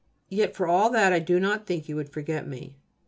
Yet for all that I do not think you would forget me.